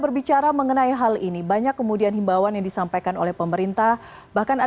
lansia yang langsung mendahulunya dengan terus transport ini dua ribu sembilan belas selesai dan telah menyampaikan